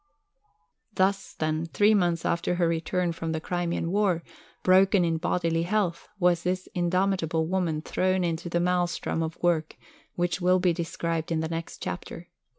Thus, then, three months after her return from the Crimean War, broken in bodily health, was this indomitable woman thrown into the maelstrom of work which will be described in the next chapter.